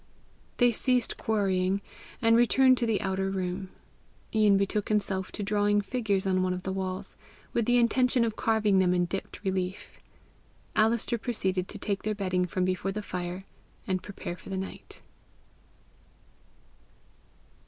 They ceased quarrying, and returned to the outer room. Ian betook himself to drawing figures on one of the walls, with the intention of carving them in dipped relief. Alister proceeded to take their bedding from before the fire, and prepare for the night.